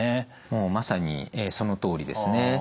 もうまさにそのとおりですね。